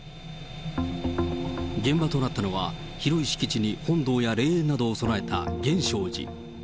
現場となったのは、広い敷地に本堂や霊園などを備えた源証寺。